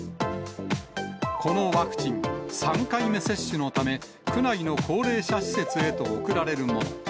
このワクチン、３回目接種のため、区内の高齢者施設へと送られるもの。